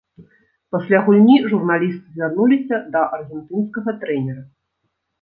Пасля гульні журналісты звярнуліся да аргентынскага трэнера.